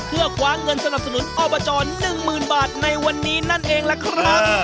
เพื่อคว้าเงินสนับสนุนอบจ๑๐๐๐บาทในวันนี้นั่นเองล่ะครับ